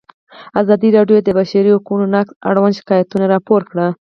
ازادي راډیو د د بشري حقونو نقض اړوند شکایتونه راپور کړي.